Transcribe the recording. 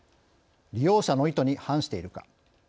「利用者の意図に反しているか？」